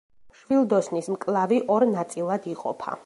მშვილდოსნის მკლავი ორ ნაწილად იყოფა.